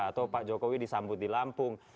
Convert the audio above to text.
atau pak jokowi disambut di lampung